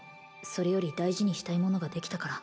それより大事にしたいものができたから